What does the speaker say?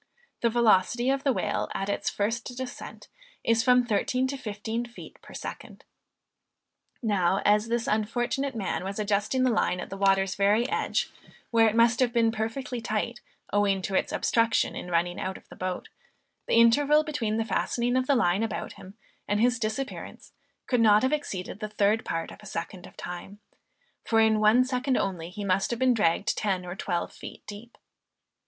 The velocity of the whale at its first descent is from thirteen to fifteen feet per second. Now as this unfortunate man was adjusting the line at the water's very edge, where it must have been perfectly tight, owing to its obstruction in running out of the boat, the interval between the fastening the line about him and his disappearance could not have exceeded the third part of a second of time, for in one second only he must have been dragged ten or twelve feet deep.